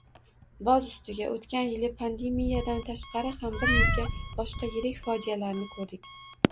Boz ustiga oʻtgan yili pandemiyadan tashqari ham bir nechta boshqa yirik fojialarni koʻrdik.